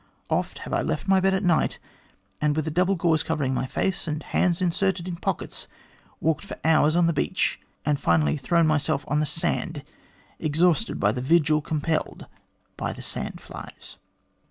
Oft have I left my bed at night, and with a double gauze covering my face, and hands inserted in pockets, walked for hours on the beach, and finally thrown myself on the sand exhausted by the vigil compelled by the sand flies.